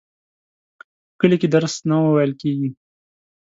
په کلي کي درس نه وویل کیږي.